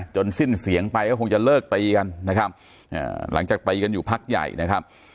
สิ้นเสียงไปก็คงจะเลิกตีกันนะครับหลังจากตีกันอยู่พักใหญ่นะครับ